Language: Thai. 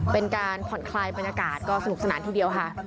เป็นการผ่อนคลายบรรยากาศก็สนุกสนานทีเดียวค่ะ